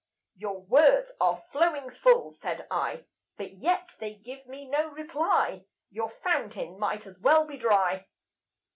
"Your words are flowing full," said I; "But yet they give me no reply; Your fountain might as well be dry."